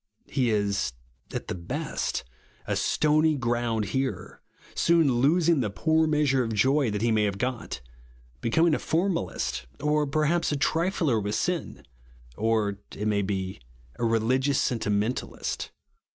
He is, at the best, a stony ground hearer ; soon losing the poor measure of joy that he may have got ; becoming a formalist ; or perhaps a triller vv^ith sin ; or, it may be, a religious sentimentalist.